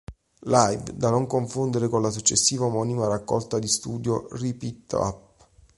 Live", da non confondere con la successiva omonima raccolta di studio "Rip It Up".